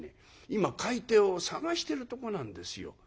今買い手を探してるとこなんですよ」。